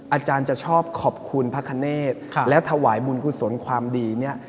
อาจารย์จะชอบขอบคุณพระคเนธและถวายบุญกุศลความดีเนี่ย